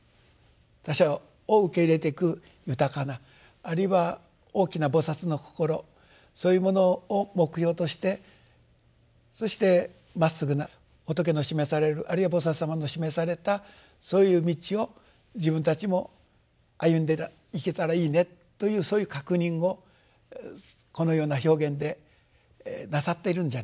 他者を受け入れていく豊かなあるいは大きな菩のこころそういうものを目標としてそしてまっすぐな仏の示されるあるいは菩様の示されたそういう道を自分たちも歩んでいけたらいいねというそういう確認をこのような表現でなさってるんじゃないかと。